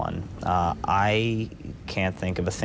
ผ่านสินค้าย